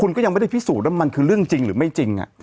คุณก็ยังไม่ได้พิสูจน์ว่ามันคือเรื่องจริงหรือไม่จริง